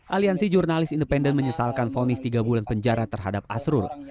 aliansi jurnalis independen menyesalkan fonis tiga bulan penjara terhadap asrul